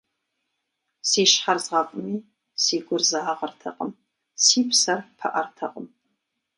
Си щхьэр згъэфӀми, си гур загъэртэкъым, си псэр пыӀэртэкъым.